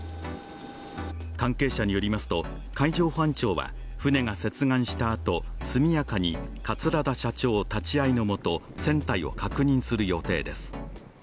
関係者によりますと、海上保安庁は船が接岸したあと速やかに桂田社長立ち会いのもと船体を確認する予定です。